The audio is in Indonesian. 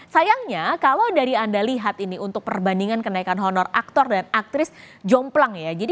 sayangnya kalau dari anda lihat ini untuk perbandingan kenaikan honor aktor dan aktris jomplang ya